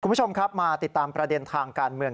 คุณผู้ชมครับมาติดตามประเด็นทางการเมือง